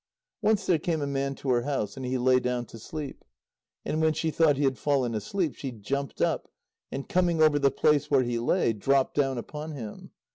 Once there came a man to her house. And he lay down to sleep. And when she thought he had fallen asleep, she jumped up, and coming over the place where he lay, dropped down upon him.